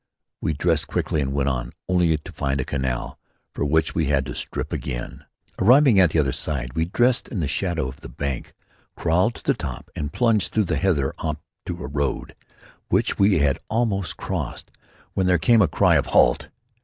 We dressed quickly and went on, only to find a canal, for which we had to strip again. Arriving at the other side; we dressed in the shadow of the bank, crawled to the top and plunged through the heather on to a road which we had almost crossed, when there came a cry of "Halt!"